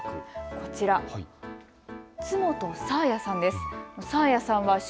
こちら、湊元紗彩さんです。